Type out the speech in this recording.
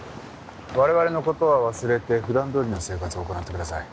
我々の事は忘れて普段どおりの生活を行ってください。